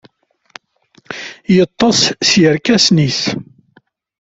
Yeṭṭes s yirkasen-is.